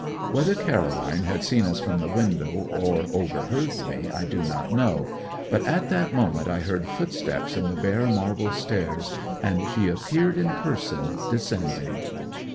Whether Caroline had seen us from the window, or overheard me, I do not know, but at that moment I heard footsteps on the bare marble stairs, and she appeared in person descending.